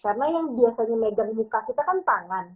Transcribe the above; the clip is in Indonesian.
karena yang biasanya megang muka kita kan tangan